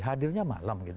hadirnya malam gitu